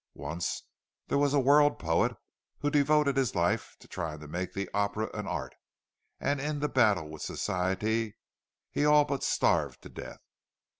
Once there was a world poet who devoted his life to trying to make the Opera an art; and in the battle with Society he all but starved to death.